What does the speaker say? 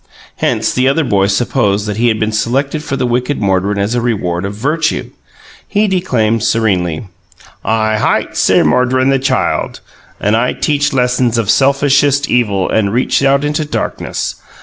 Hence the other boys supposed that he had been selected for the wicked Mordred as a reward of virtue. He declaimed serenely: "I hight Sir Mordred the Child, and I teach Lessons of selfishest evil, and reach Out into darkness.